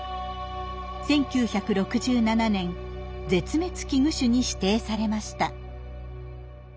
１９６７年絶滅危惧種に指定されました。